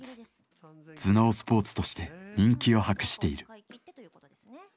頭脳スポーツとして人気を博している。